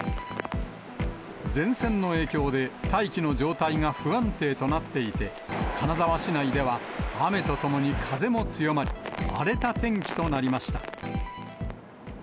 前線の影響で大気の状態が不安定となっていて、金沢市内では雨とともに風も強まり、荒れた天気となりました。